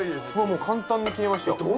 もう簡単に切れました